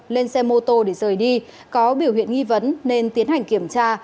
lên xe mô tô để rời đi có biểu hiện nghi vấn nên tiến hành kiểm tra